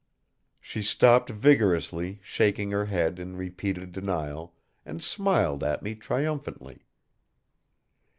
She stopped vigorously shaking her head in repeated denial, and smiled at me triumphantly.